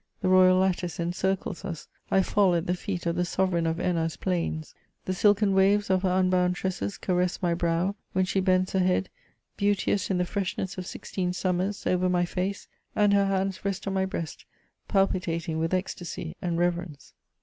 The royal lattice encircles us ; I fall at the feet of the sove reign of Enna's plains; the silken waves of her unbound tresses caress my brow, when she bends her head, beauteous in the freshness of sixteen summers, over my face, and her hands rest on my breast, palpitating with ecstacy and reve rence.